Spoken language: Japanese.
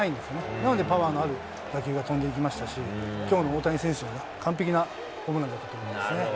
だからパワーのある打球が飛んできましたし、今日の大谷選手の完璧なホームランのようでしたね。